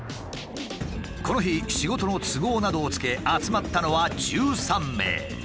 この日仕事の都合などをつけ集まったのは１３名。